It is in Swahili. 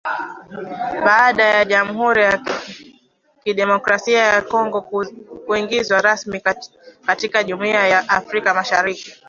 Baada ya Jamuhuri ya Kidemokrasia ya Kongo kuingizwa rasmi katika Jumuiya ya Afrika Mashariki